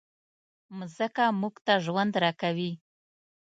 مځکه موږ ته ژوند راکوي.